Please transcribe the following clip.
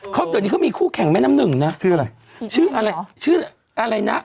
เขาเดี๋ยวนี้เขามีคู่แข่งแม่น้ำหนึ่งนะชื่ออะไรชื่ออะไรชื่ออะไรนะ